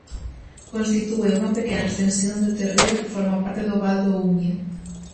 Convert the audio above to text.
Constitúe unha pequena extensión de terreo que forma parte do val do Umia.